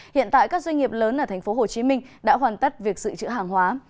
hiện tại các doanh nghiệp lớn ở tp hcm đã hoàn tất việc dự trữ hàng hóa